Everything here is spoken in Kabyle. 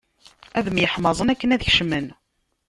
Ad myeḥmaẓeɣ akken ad kecmeɣ.